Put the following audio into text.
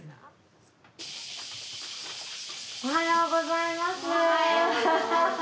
おはようございます。